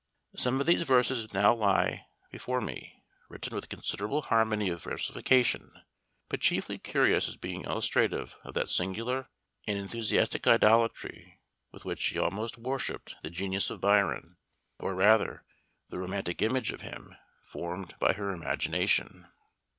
Some of these verses now lie before me, written with considerable harmony of versification, but chiefly curious as being illustrative of that singular and enthusiastic idolatry with which she almost worshipped the genius of Byron, or rather, the romantic image of him formed by her imagination.